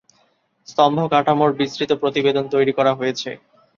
সম্ভাব্য কাঠামোর বিস্তৃত প্রতিবেদন তৈরি করা হয়েছে।